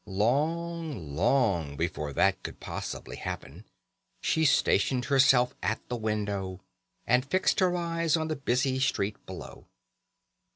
Long, long before that could possibly happen she stationed herself at the window, and fixed her eyes on the busy street below.